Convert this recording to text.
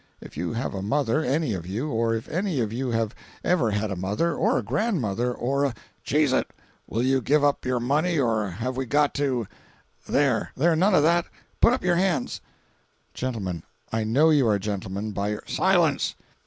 If you have a mother—any of you—or if any of you have ever had a mother—or a—grandmother—or a—" "Cheese it! Will you give up your money, or have we got to—. There—there—none of that! Put up your hands!" "Gentlemen—I know you are gentlemen by your—" "Silence!